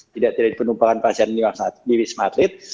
tidak terjadi penumpangan pasien di wisma atlet